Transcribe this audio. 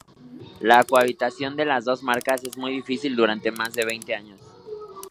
La cohabitación de las dos marcas es muy difícil durante más de veinte años.